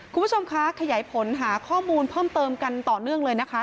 คุณผู้ชมคะขยายผลหาข้อมูลเพิ่มเติมกันต่อเนื่องเลยนะคะ